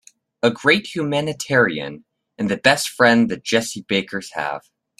A great humanitarian and the best friend the Jessie Bakers have.